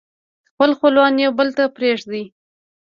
خپل خپلوان يو بل نه پرېږدي